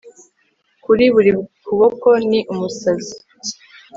Kuri buri kuboko ni umusazi